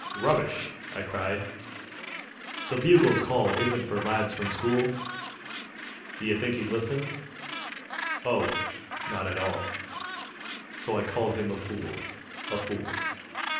"Rubbish!" I cried; "The bugle's call Isn't for lads from school." D'ye think he'd listen? Oh, not at all: So I called him a fool, a fool.